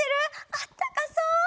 あったかそう！